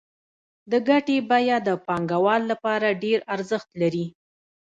د ګټې بیه د پانګوال لپاره ډېر ارزښت لري